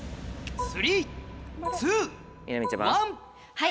はい！